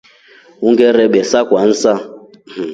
Ongerabesa Kwanza.